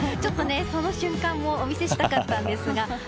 その瞬間もお見せしたかったんですが。